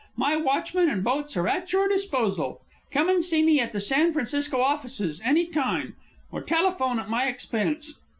My watchmen and boats are at your disposal. Come and see me at the San Francisco offices any time, or telephone at my expense.